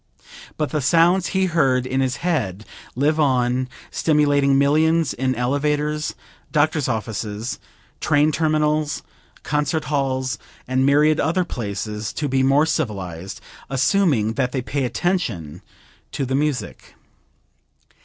But the sounds he heard in his head live on, stimulating millions in elevators, doctors' offices, train terminals, concert halls and myriad other places to be more civilized, assuming that they pay attention to the music.